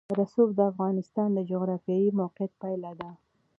رسوب د افغانستان د جغرافیایي موقیعت پایله ده.